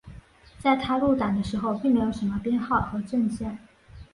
在他入党的时候并没有什么编号和证件。